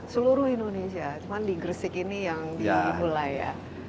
seluruh indonesia cuman di gresik ini yang dimulai ya